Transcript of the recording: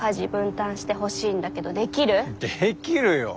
できるよ！